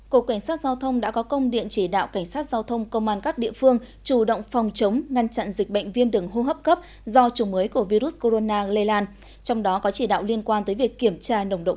cục cảnh sát giao thông đã có công điện chỉ đạo cảnh sát giao thông công an các địa phương chủ động phòng chống ngăn chặn dịch bệnh viêm đường hô hấp cấp do chủng mới của virus corona lây lan trong đó có chỉ đạo liên quan tới việc kiểm tra nồng độ cồn